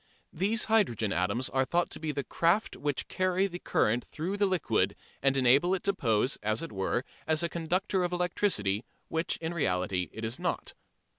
These hydrogen atoms are thought to be the craft which carry the current through the liquid and enable it to pose, as it were, as a conductor of electricity, which in reality it is not.